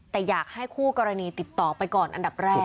แต่อยากให้คู่กรณีติดต่อไปก่อนอันดับแรก